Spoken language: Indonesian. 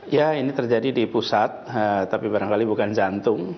ya ini terjadi di pusat tapi barangkali bukan jantung